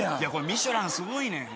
ミシュランすごいねん。